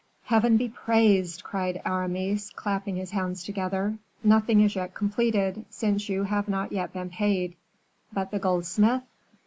"Heaven be praised!" cried Aramis, clapping his hands together, "nothing is yet completed, since you have not yet been paid." "But the goldsmith?"